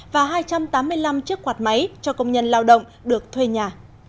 và hai trăm tám mươi năm chiếc quạt máy cho công nhân lao động được thuê nhà